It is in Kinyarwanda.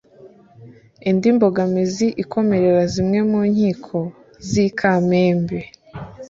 Indi mbogamizi ikomerera zimwe mu nkiko z’i Kamembe